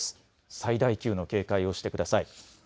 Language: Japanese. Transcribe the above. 最大級の警戒をしてください。